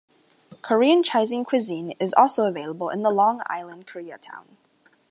Korean Chinese cuisine is also available in the Long Island Koreatown.